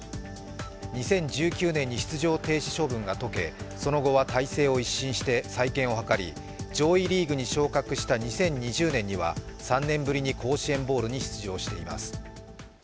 ２０１９年に出場停止処分が解け、その後は体制を一新して再建を図り、上位リーグに昇格した２０２０年には、３年ぶりに甲子園ボウルに出場しています。